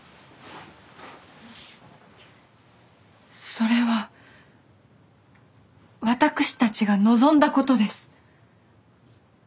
それは私たちが望んだことです。